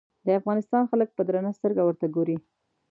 د افغانستان خلک په درنه سترګه ورته ګوري.